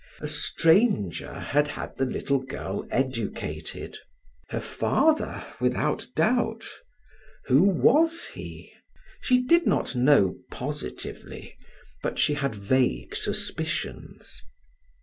A stranger had had the little girl educated. Her father without doubt. Who was he? She did not know positively, but she had vague suspicions.